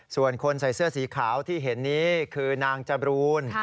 ส่วนคนใส่เสื้อสีขาวที่เห็นนี้คือนางจบรูน